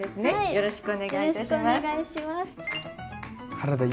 よろしくお願いします。